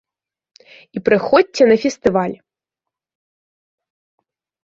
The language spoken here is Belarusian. І прыходзьце на фестываль!